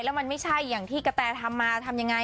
แล้วมันไม่ใช่อย่างที่กระแตทำมาทำยังไง